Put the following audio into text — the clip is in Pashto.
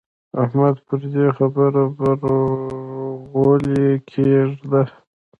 احمده پر دې خبره برغولی کېږده.